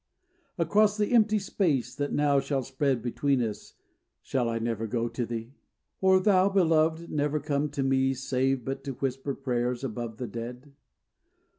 Across the empty space that now shall spread Between us, shall I never go to thee? Or thou, beloved, never come to me, Save but to whisper prayers above the dead?